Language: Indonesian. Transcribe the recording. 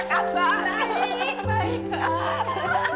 baik baik banget